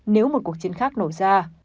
khi đất nước nổ ra